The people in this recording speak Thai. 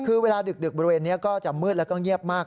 คือเวลาดึกบริเวณนี้ก็จะมืดแล้วก็เงียบมาก